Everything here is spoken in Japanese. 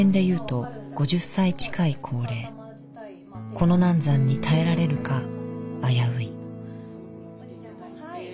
この難産に耐えられるか危うい。